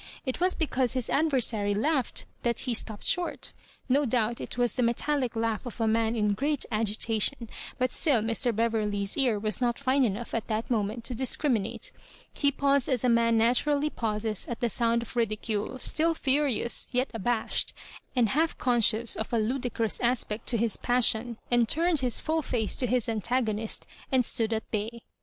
It was because his adversary laughed that he stopped short No doubt it was the metallic laugh of a man in great agitation, but still Mr. Beverley's ear was not fine enough at that moment to discriminate. He paused as a man naturally pauses at the sound of ridicule, still fUrious, yet abashed, and half conscious of a ludicrous aspect to his passion — and turned his full &ce to his antagonist, and stood at bay.